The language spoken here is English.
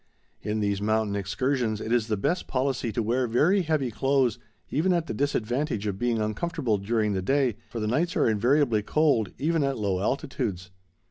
In these mountain excursions, it is the best policy to wear very heavy clothes, even at the disadvantage of being uncomfortable during the day, for the nights are invariably cold, even at low altitudes.